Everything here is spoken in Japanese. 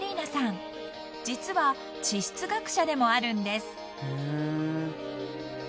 ［実は地質学者でもあるんです］